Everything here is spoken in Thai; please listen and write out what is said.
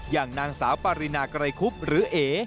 อย่างนางสาวปารินาไกรคุบหรือเอ